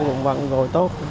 cũng vẫn gội tốt